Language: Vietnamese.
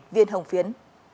viên hồng phiến